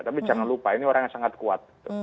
tapi jangan lupa ini orang yang sangat kuat